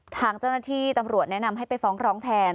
ทางเจ้าหน้าที่ตำรวจแนะนำให้ไปฟ้องร้องแทน